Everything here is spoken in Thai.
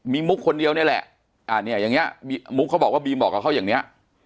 มีมุกคนเดียวนี่แหละมุกเขาบอกว่าบีมบอกเขาอย่างนี้